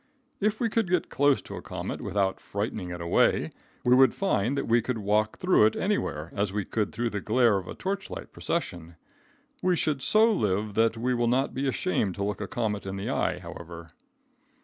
If we could get close to a comet without frightening it away, we would find that we could walk through it anywhere as we could through the glare of a torchlight procession. We should so live that we will not be ashamed to look a comet in the eye, however.